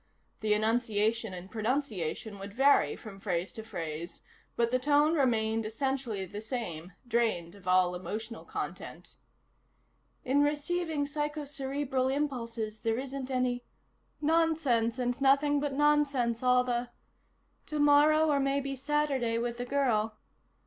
The enunciation and pronunciation would vary from phrase to phrase, but the tone remained essentially the same, drained of all emotional content. "... in receiving psychocerebral impulses there isn't any ... nonsense and nothing but nonsense all the ... tomorrow or maybe Saturday with the girl